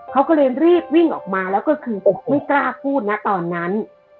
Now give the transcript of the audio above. เขาก็เลยรีบวิ่งออกมาแล้วก็คือไม่กล้าพูดนะตอนนั้น